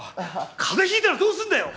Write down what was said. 風邪ひいたらどうするんだよ！